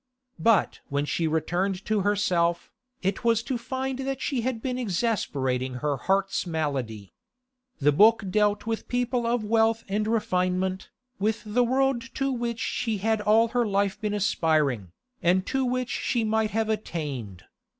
But when she returned to herself, it was to find that she had been exasperating her heart's malady. The book dealt with people of wealth and refinement, with the world to which she had all her life been aspiring, and to which she might have attained.